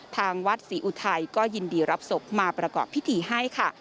ทางวัดศรีอุทัยก็ยินดีรับศพมาประกอบพิธีให้ค่ะ